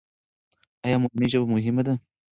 ایا مورنۍ ژبه مهمه ده؟